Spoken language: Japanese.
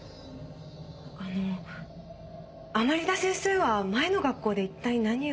あの甘利田先生は前の学校で一体何を。